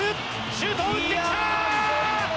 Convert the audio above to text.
シュートを打ってきた！